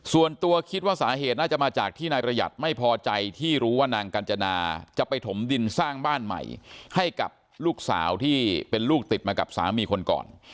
ส่วนตัวคิดว่าสาเหตุน่าจะมาจากที่นายประหยัดไม่พอใจที่รู้ว่านางกัญจนาจะไปถมดินสร้างบ้านใหม่ให้กับลูกสาวที่เป็นลูกติดมากับสามีคนก่อน